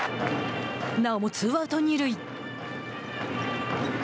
なおも、ツーアウト二塁。